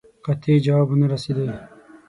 قاطع جواب ونه رسېدی.